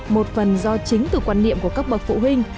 một phần do chính từ quan niệm của các bậc phụ huynh